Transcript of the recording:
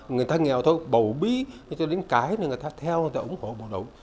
người ta nghèo thôi bầu bí người ta đến cãi người ta theo người ta ủng hộ bộ đội